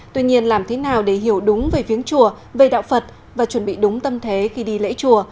tuy nhiên làm thế nào để hiểu đúng về viếng chùa về đạo phật và chuẩn bị đúng tâm thế khi đi lễ chùa